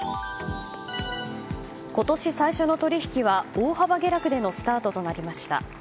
今年最初の取引は大幅下落でのスタートとなりました。